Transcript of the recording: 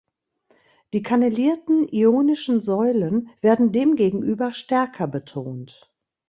Die kannelierten ionischen Säulen werden demgegenüber stärker betont.